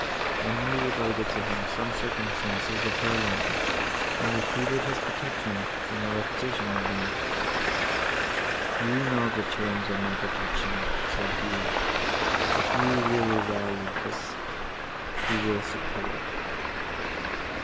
Emily related to him some circumstances of her alarm, and entreated his protection from a repetition of them. "You know the terms of my protection," said he; "if you really value this, you will secure it."